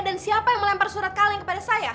siapa yang melempar surat kaleng kepada saya